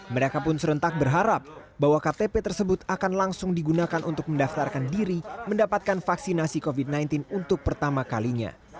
mereka pun serentak berharap bahwa ktp tersebut akan langsung digunakan untuk mendaftarkan diri mendapatkan vaksinasi covid sembilan belas untuk pertama kalinya